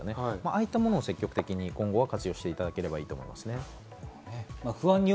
ああいったものを積極的に今後は活用していただければいいと思いますね。